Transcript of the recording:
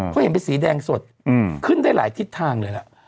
เขาเห็นเป็นสีแดงสดขึ้นได้หลายทิศทางเลยล่ะ